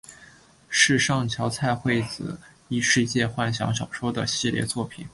是上桥菜穗子异世界幻想小说的系列作品。